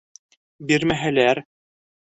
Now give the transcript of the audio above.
Бирмәһәләр?..